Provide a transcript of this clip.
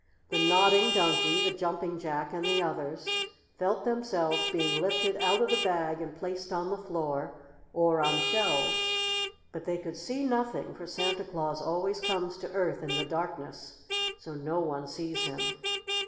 The Nodding Donkey, the Jumping Jack and the others felt themselves being lifted out of the bag and placed on the floor or on shelves. But they could see nothing, for Santa Claus always comes to Earth in the darkness, so no one sees him.